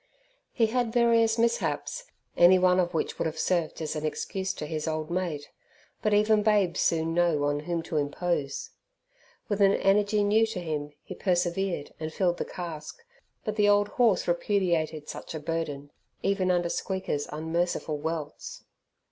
He had various mishaps, any one of which would have served as an excuse to his old mate, but even babes soon know on whom to impose. With an energy new to him he persevered and filled the cask, but the old horse repudiated such a burden even under Squeaker's unmerciful welts.